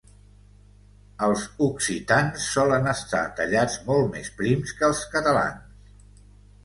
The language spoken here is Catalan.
Els occitans solen estar tallats molt més prims que els catalans.